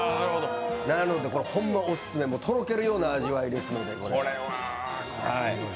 ほんまオススメ、とろけるような味わいですので。